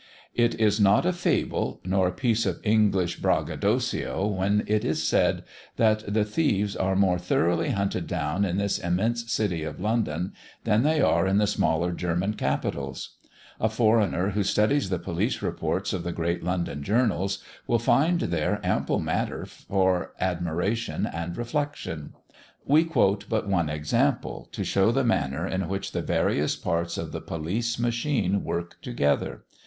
It is not a fable, nor a piece of English braggadocio, when it is said, that the thieves are more thoroughly hunted down in this immense city of London, than they are in the smaller German capitals. A foreigner who studies the police reports of the great London journals, will find there ample matter for admiration and reflection. We quote but one example, to show the manner in which the various parts of the police machine work together.